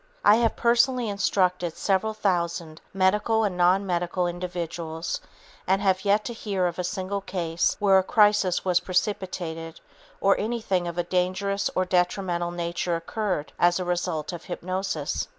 I have personally instructed several thousand medical and non medical individuals and have yet to hear of a single case where a crisis was precipitated or anything of a dangerous or detrimental nature occurred as a result of hypnosis.